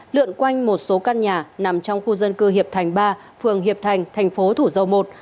lượn quanh một số căn nhà nằm trong khu dân cư hiệp thành ba phường hiệp thành thành phố thủ dầu một